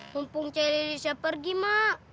mumpung cari lelisnya pergi mak